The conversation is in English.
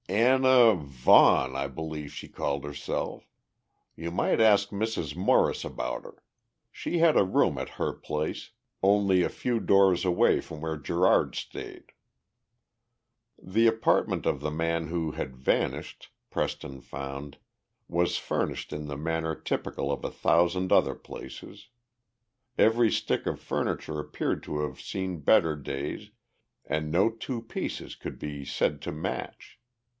"Anna Vaughan, I b'lieve she called herself. You might ask Mrs. Morris about her. She had a room at her place, only a few doors away from where Gerard stayed." The apartment of the man who had vanished, Preston found, was furnished in the manner typical of a thousand other places. Every stick of furniture appeared to have seen better days and no two pieces could be said to match.